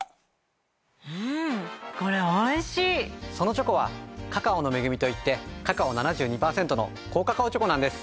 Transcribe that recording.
そのチョコは「カカオの恵み」といってカカオ７２％の高カカオチョコなんです。